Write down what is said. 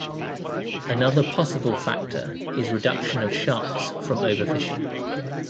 Another possible factor is reduction of sharks from overfishing.